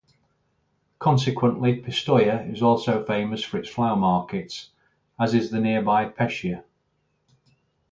Consequently, Pistoia is also famous for its flower markets, as is the nearby Pescia.